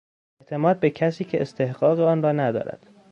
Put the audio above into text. اعتماد به کسی که استحقاق آنرا ندارد